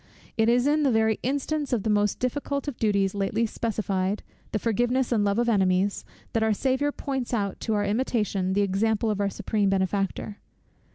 It is in the very instance of the most difficult of the duties lately specified, the forgiveness and love of enemies, that our Saviour points out to our imitation the example of our Supreme Benefactor.